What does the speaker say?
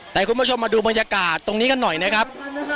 แต่คุณผู้ชมมาดูบรรยากาศตรงนี้กันหน่อยนะครับ